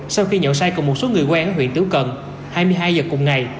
sau khi nhậu say cùng một số người quen ở huyện tiếu cận hai mươi hai giờ cùng ngày